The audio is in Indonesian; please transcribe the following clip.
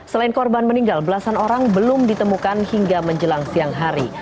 selain korban meninggal belasan orang belum ditemukan hingga menjelang siang hari